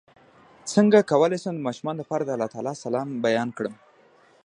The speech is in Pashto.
څنګه کولی شم د ماشومانو لپاره د الله تعالی سلام بیان کړم